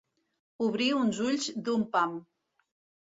Obrir uns ulls d'un pam.